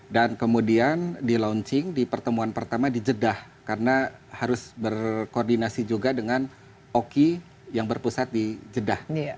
dan kemudian di launching di pertemuan pertama di jeddah karena harus berkoordinasi juga dengan oic yang berpusat di jeddah